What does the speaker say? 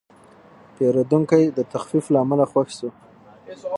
پیرودونکی د تخفیف له امله خوښ شو.